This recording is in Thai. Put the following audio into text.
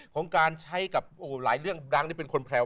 ของการใช้กับหลายเรื่องดังที่เป็นคนแพลว